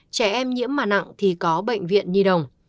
trẻ em nhiễm mà nặng thì có bệnh viện nhi đồng